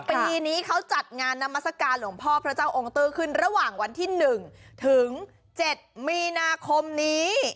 ปีนี้เขาจัดงานนามัศกาลหลวงพ่อพระเจ้าองค์ตื้อขึ้นระหว่างวันที่๑ถึง๗มีนาคมนี้